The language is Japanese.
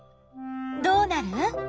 どうなる？